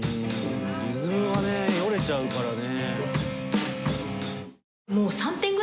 リズムがねよれちゃうからね。